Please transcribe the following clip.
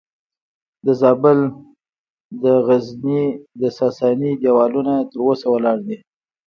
د زابل د غزنیې د ساساني دیوالونه تر اوسه ولاړ دي